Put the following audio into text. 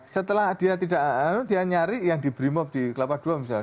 setelah dia tidak dia nyari yang di brimob di kelapa dua misalnya